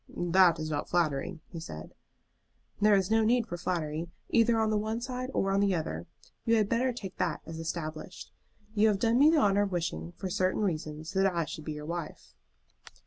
"That is not flattering," he said. "There is no need for flattery, either on the one side or on the other. You had better take that as established. You have done me the honor of wishing, for certain reasons, that I should be your wife."